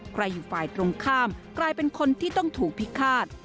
ใครอยู่ฝ่ายตรงข้ามกลายเป็นคนที่ต้องถูกพิฆาต